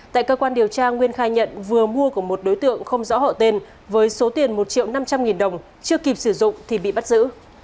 tại cơ quan điều tra nguyên khai nhận vừa mua của một đối tượng không rõ hậu tên với số tiền một triệu năm trăm linh nghìn đồng chưa kịp sử dụng thì bị bắt giữ